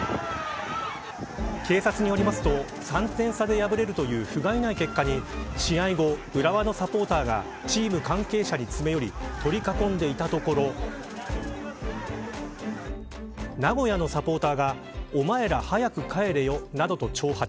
警察によりますと３点差で敗れるというふがいない結果に試合後、浦和のサポーターがチーム関係者に詰め寄り取り囲んでいたところ名古屋のサポーターがおまえら早く帰れよなどと挑発。